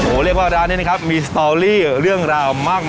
โอ้โหเรียกว่าร้านนี้นะครับมีสตอรี่เรื่องราวมาก